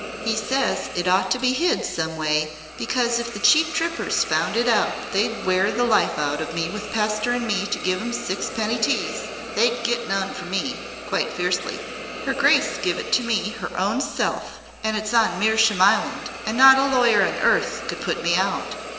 "He says it ought to be hid some way because if the cheap trippers found it out they'd wear the life out of me with pestering me to give 'em six penny teas. They'd get none from me!" quite fiercely. "Her grace give it to me her own self and it's on Mersham land and not a lawyer on earth could put me out."